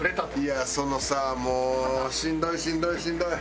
いやそのさもうしんどいしんどいしんどい。